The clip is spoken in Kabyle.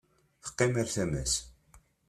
Teqqim ɣer tama-s.